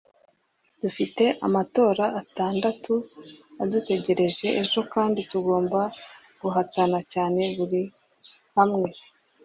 Dufite amatora atandatu adutegereje ejo kandi tugomba guhatana cyane buri hamwe